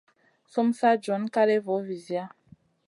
Sumu sa john kaléya vo vizia.